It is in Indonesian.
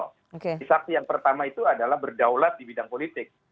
hisaksi yang pertama itu adalah berdaulat di bidang politik